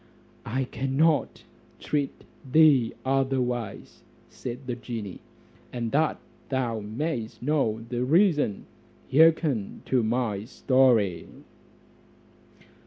"I cannot treat thee otherwise," said the genie; "and that thou mayest know the reason, hearken to my story."